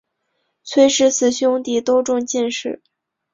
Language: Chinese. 崔氏四兄弟都中进士。